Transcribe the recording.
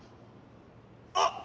あっ！